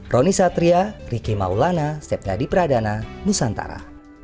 roni satria riki maulana step yadi pradana nusantara